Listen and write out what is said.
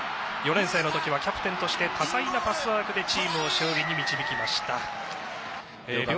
４年生の時はキャプテンとして多彩なパスワークでチームを勝利に導きました。